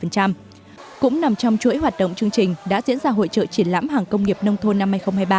cũng nằm trong chuỗi hoạt động chương trình đã diễn ra hội trợ triển lãm hàng công nghiệp nông thôn năm hai nghìn hai mươi ba